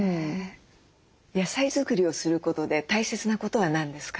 野菜作りをすることで大切なことは何ですか？